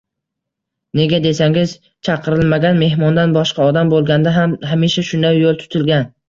Nega desangiz, chaqirilmagan mehmondan boshqa odam bo`lganda ham hamisha shunday yo`l tutilgan